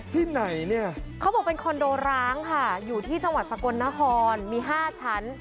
ที่ไหนเนี่ยเขาบอกเป็นคอนโดร้างค่ะอยู่ที่จังหวัดสกลนครมี๕ชั้น